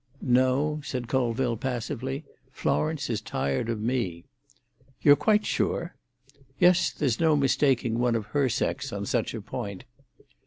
"No," said Colville passively; "Florence is tired of me." "You're quite sure?" "Yes; there's no mistaking one of her sex on such a point."